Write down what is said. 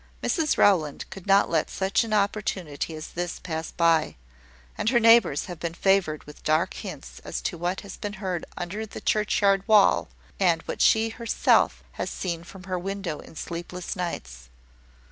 Mrs Rowland could not let such an opportunity as this pass by; and her neighbours have been favoured with dark hints, as to what has been heard under the churchyard wall, and what she herself has seen from her window in sleepless nights.